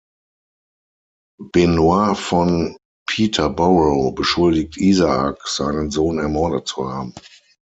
Benoit von Peterborough beschuldigt Isaak, seinen Sohn ermordet zu haben.